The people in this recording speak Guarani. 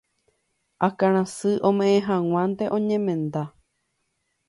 akãrasy ome'ẽ hag̃uánte oñemenda.